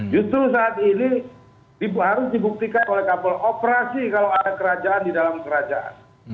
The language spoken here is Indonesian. justru saat ini harus dibuktikan oleh kapol operasi kalau ada kerajaan di dalam kerajaan